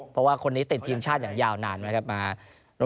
เพราะว่าคนนี้ติดทีมชาติอย่างยาวนานนะครับมา